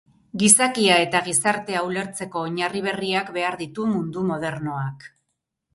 Gizakia eta gizartea ulertzeko oinarri berriak behar ditu mundu modernoak.